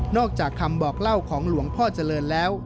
อกจากคำบอกเล่าของหลวงพ่อเจริญแล้ว